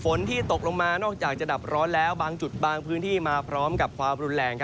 ที่ตกลงมานอกจากจะดับร้อนแล้วบางจุดบางพื้นที่มาพร้อมกับความรุนแรง